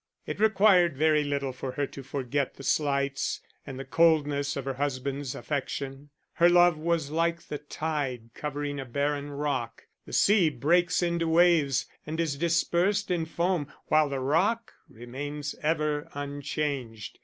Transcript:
It required very little for her to forget the slights and the coldness of her husband's affection: her love was like the tide covering a barren rock; the sea breaks into waves and is dispersed in foam, while the rock remains ever unchanged.